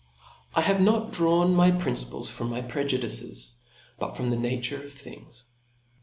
I have not drawii thy principles from my prejudices, but from'the nature of things.